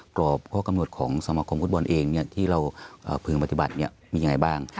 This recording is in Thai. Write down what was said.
กรอบพวกกำหนดของสมาคมฟุตบอลเองเนี่ยที่เราพื้นปฏิบัติเนี่ยมีอย่างไรบ้าง